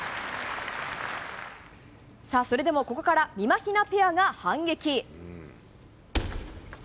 さあ、それでもここからみまひなペアが反撃。